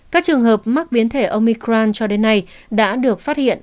các trường hợp mắc biến thể omicran cho đến nay đã được phát hiện